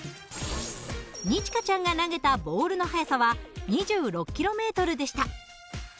二千翔ちゃんが投げたボールの速さは２６ｋｍでした。